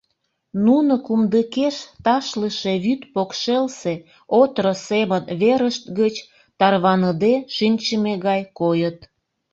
Нуно кумдыкеш ташлыше вӱд покшелсе отро семын верышт гыч тарваныде шинчыме гай койыт;